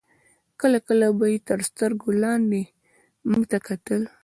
کله کله به یې تر سترګو لاندې موږ ته کتل.